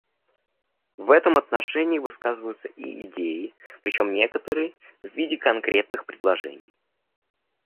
В этом отношении высказываются и идеи, причем некоторые − в виде конкретных предложений.